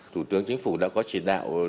thủ tướng chính phủ đã có chỉ đạo